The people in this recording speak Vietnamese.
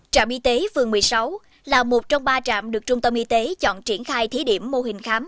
trạm y tế phường một mươi sáu là một trong ba trạm được trung tâm y tế chọn triển khai thí điểm mô hình khám